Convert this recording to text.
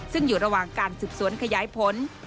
ซึ่งอยู่ระหว่างการสืบสวนขยายผล